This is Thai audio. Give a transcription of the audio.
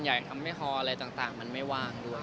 เดี๋ยวมันฮอะไรต่างมันไม่ว่างด้วยครับ